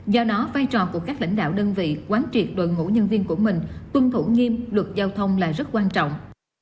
do đó vai trò của các lãnh đạo đơn vị quán triệt đội ngũ nhân viên của mình tuân thủ nghiêm luật giao thông là rất quan trọng